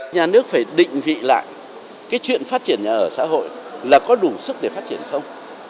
nhà nước phải định vị lại cái chuyện phát triển nhà ở xã hội là có đủ sức để phát triển không